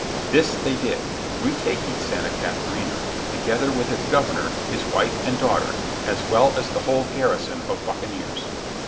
This they did, retaking Santa Catharina, together with its governor, his wife, and daughter, as well as the whole garrison of buccaneers.